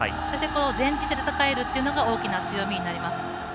そして、戦えるというのが大きな強みになります。